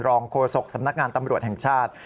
โฆษกสำนักงานตำรวจแห่งชาติ